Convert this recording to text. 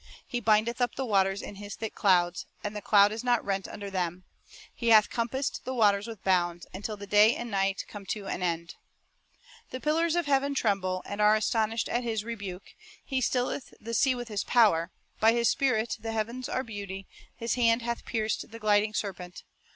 He bindeth up the waters in His thick clouds ; And the cloud is not rent under them. ... He hath compassed the waters with bounds, Until the day and night come to an end." " The pillars of heaven tremble And are astonished at His rebuke. He stilleth the sea with His power. ... By His Spirit the heavens are beauty ; His hand hath pierced the gliding serpent.